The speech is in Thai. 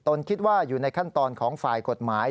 คิดว่าอยู่ในขั้นตอนของฝ่ายกฎหมาย